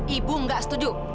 ibu enggak setuju